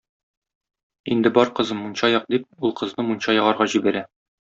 Инде бар, кызым, мунча як! - дип, ул кызны мунча ягарга җибәрә.